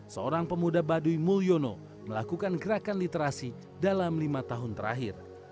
seorang pemuda baduy mulyono melakukan gerakan literasi dalam lima tahun terakhir